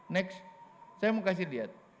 next saya mau kasih diet